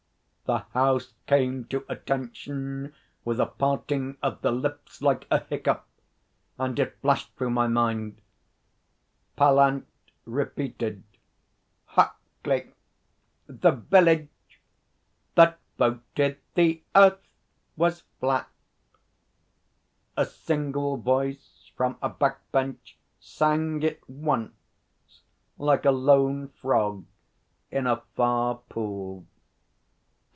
The House came to attention with a parting of the lips like a hiccough, and it flashed through my mind.... Pallant repeated, 'Huckley. The village ' 'That voted the Earth was flat.' A single voice from a back Bench sang it once like a lone frog in a far pool.